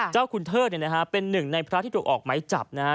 เจ้าคุณเทิดเนี่ยนะฮะเป็นหนึ่งในพระราชที่ตกออกไม้จับนะฮะ